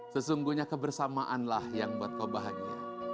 sesungguhnya kebersamaanlah yang buat kau bahagia